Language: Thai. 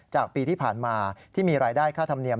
จากปีที่ผ่านมาที่มีรายได้ค่าธรรมเนียม